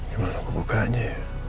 gimana aku bukanya